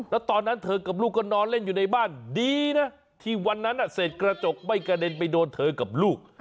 แล้วตอนนั้นเธอกับลูกก็นอนเล่นอยู่ในบ้านดีนะที่วันนั้นเศษกระจกไม่กระเด็นไปโดนเธอกับลูก